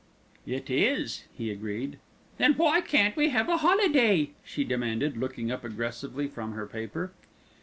"It is," he agreed. "Then why can't we have a holiday?" she demanded, looking up aggressively from her paper.